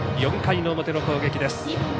４回の表の攻撃です。